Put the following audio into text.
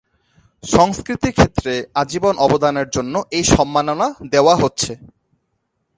সংস্কৃতি ক্ষেত্রে আজীবন অবদানের জন্য এই সম্মাননা দেওয়া হচ্ছে।